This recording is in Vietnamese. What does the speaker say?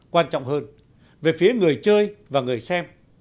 quan trọng hơn về phía người chơi và người xem